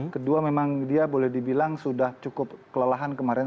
kedua memang dia boleh dibilang sudah cukup kelelahan kemarin